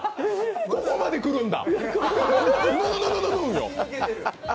ここまで来るんだ。